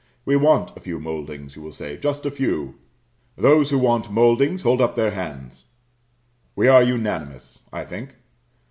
We want a few mouldings, you will say just a few. Those who want mouldings, hold up their hands. We are unanimous, I think.